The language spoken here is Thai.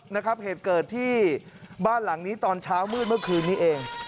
นะครับเหตุเกิดที่บ้านหลังนี้ตอนเช้ามืดเมื่อคืนนี้เอง